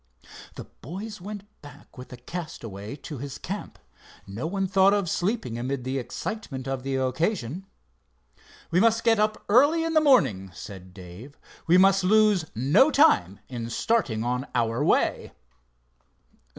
The boys went back with the castaway to his camp. No one thought of sleeping amid the excitement of the occasion. "We must get up early in the morning," said Dave. "We must lose no time in starting on our way."